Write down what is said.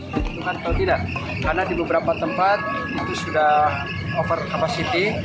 dibutuhkan atau tidak karena di beberapa tempat itu sudah over capacity